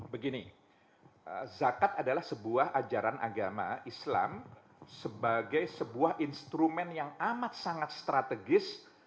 begini zakat adalah sebuah ajaran agama islam sebagai sebuah instrumen yang amat sangat strategis